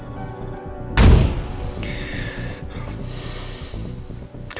karena aku harus tam estado